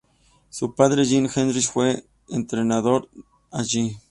Su padre, Jim Hinrich, fue su entrenador allí.